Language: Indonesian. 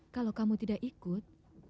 kalau kamu tidak ikut